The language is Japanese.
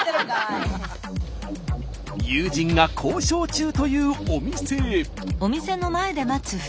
友人が交渉中というお店へ。